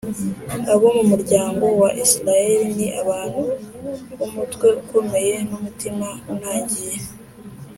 abo mu muryango wa Israheli ni abantu b’umutwe ukomeye n’umutima unangiye